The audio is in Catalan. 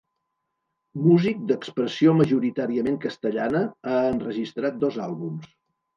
Músic d'expressió majoritàriament castellana, ha enregistrat dos àlbums.